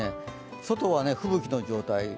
外は吹雪の状態。